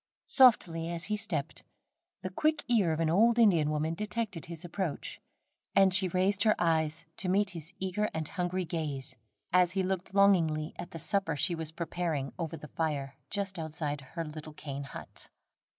Softly as he stepped, the quick ear of an old Indian woman detected his approach, and she raised her eyes to meet his eager and hungry gaze, as he looked longingly at the supper she was preparing over the fire just outside her little cane hut.